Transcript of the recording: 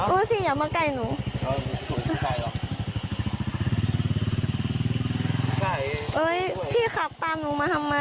อุ๊ยพี่อย่ามาใกล้หนู